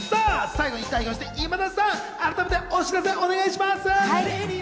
最後に代表して今田さん、改めてお知らせお願いします。